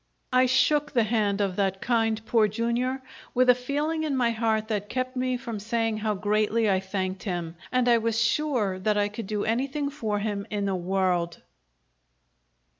I shook the hand of that kind Poor Jr. with a feeling in my heart that kept me from saying how greatly I thanked him and I was sure that I could do anything for him in the world!